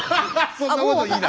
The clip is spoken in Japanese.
そんなこと言いな。